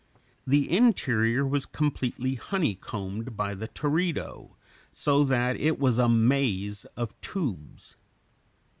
The interior was completely honeycombed by the teredo, so that it was a maze of tubes.